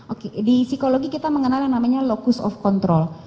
oke di psikologi kita mengenal yang namanya locus of control